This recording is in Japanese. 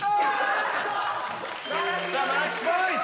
さあマッチポイント！